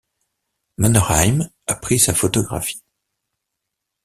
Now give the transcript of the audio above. Mannerheim a pris sa photographie.